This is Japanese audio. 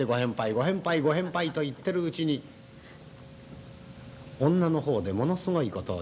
『ご返杯ご返杯』と言ってるうちに女の方でものすごいことを言うね。